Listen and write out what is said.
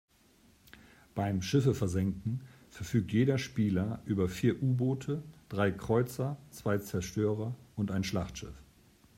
Beim Schiffe versenken verfügt jeder Spieler über vier U-Boote, drei Kreuzer, zwei Zerstörer und ein Schlachtschiff.